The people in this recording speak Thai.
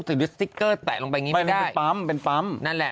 ติ๊กเกอร์แตะลงไปอย่างนี้ไม่ได้